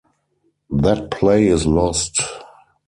That play is lost.